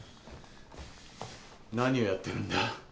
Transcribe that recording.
何をやってるんだ？